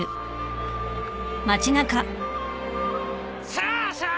さあさあ